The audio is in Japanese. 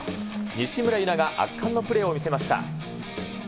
西村優菜が圧巻のプレーを見せました。